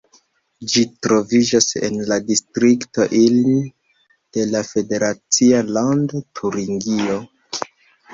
Ĝi troviĝas en la distrikto Ilm de la federacia lando Turingio.